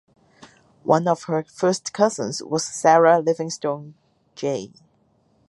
One of her first cousins was Sarah Livingston Jay.